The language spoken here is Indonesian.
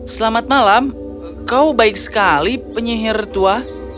selamat malam kau baik sekali penyihir tua